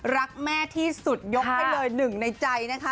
รักแม่ที่สุดยกให้เลยหนึ่งในใจนะคะ